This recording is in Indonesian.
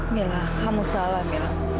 mila kamu salah mila